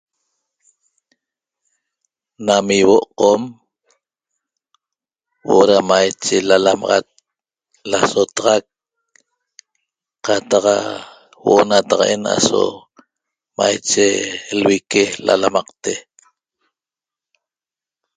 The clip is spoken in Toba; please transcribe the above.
Nam ýihuo' Qom huo'o da maiche lalamaxac lasotaxac qataq huo'o nataq'en aso maiche lvique lalamaqte